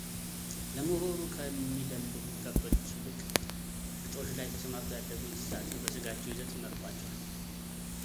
ለምሁሩ ከሚደልቡ ከብቶችይልቅ ግጦሽ ላይ ተሰማርተው ያደጉ እንስሳትን በሥጋቸው ይዘት ይመርጧቸዋል።